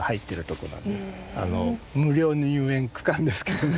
無料の遊園区間ですけどね